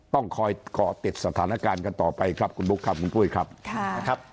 ต้องคอยก่อติดสถานการณ์กันต่อไปครับคุณบุ๊คครับคุณปุ้ยครับค่ะนะครับ